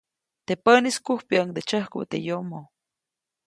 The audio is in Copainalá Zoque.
Teʼ päʼnis, kujpyäʼuŋde tsyäjkubä teʼ yomoʼ.